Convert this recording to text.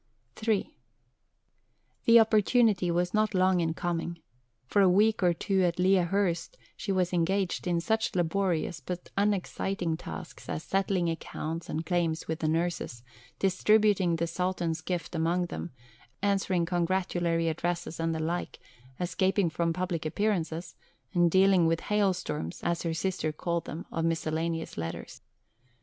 III The opportunity was not long in coming. For a week or two at Lea Hurst she was engaged in such laborious, but unexciting, tasks as settling accounts and claims with the nurses; distributing the Sultan's gift among them; answering congratulatory addresses and the like; escaping from public appearances; and dealing with hailstorms, as her sister called them, of miscellaneous letters.